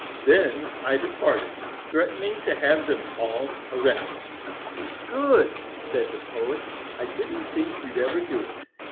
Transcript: "Then I departed, threatening to have them all arrested." "Good!" said the Poet. "I didn't think you'd ever do it.